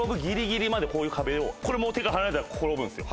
こういう壁をこれもう手が離れたら転ぶんすよ。